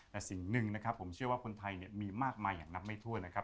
แต่สิ่งหนึ่งผมเชื่อว่าคนไทยมีมากมายอย่างนับไม่ถ้วนนะครับ